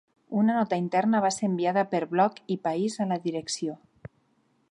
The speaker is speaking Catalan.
Una nota interna va ser enviada per Bloc i País a la direcció